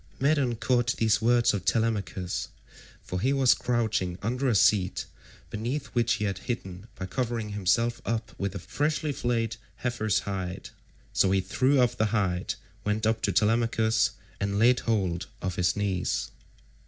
Medon caught these words of Telemachus, for he was crouching under a seat beneath which he had hidden by covering himself up with a freshly flayed heifer's hide, so he threw off the hide, went up to Telemachus, and laid hold of his knees.